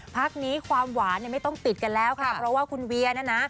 พักนี้ความหวานเนี่ยไม่ต้องปิดกันแล้วค่ะเพราะว่าคุณเวียนะนะ